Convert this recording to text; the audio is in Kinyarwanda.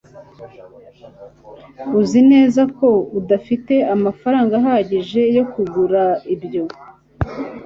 Uzi neza ko udafite amafaranga ahagije yo kugura ibyo